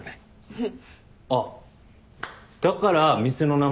うん。